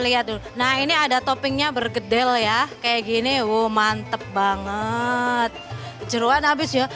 lihat dulu nah ini ada toppingnya bergedel ya kayak gini wow mantep banget jeruan abis ya